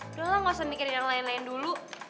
udah lah gak usah mikirin yang lain lain dulu